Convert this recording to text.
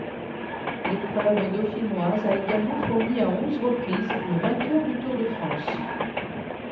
L’épreuve dauphinoise a également fourni à onze reprises le vainqueur du Tour de France.